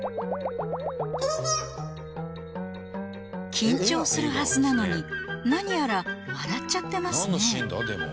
緊張するはずなのに何やら笑っちゃってますね